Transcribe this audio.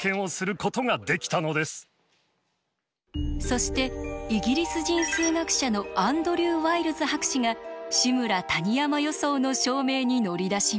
そしてイギリス人数学者のアンドリュー・ワイルズ博士が「志村−谷山予想」の証明に乗り出します。